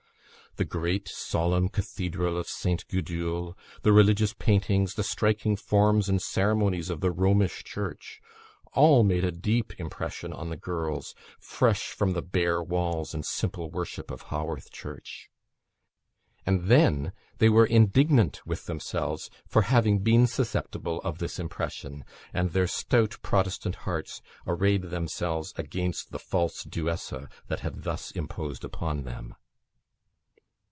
The great solemn Cathedral of St. Gudule, the religious paintings, the striking forms and ceremonies of the Romish Church all made a deep impression on the girls, fresh from the bare walls and simple worship of Haworth Church. And then they were indignant with themselves for having been susceptible of this impression, and their stout Protestant hearts arrayed themselves against the false Duessa that had thus imposed upon them.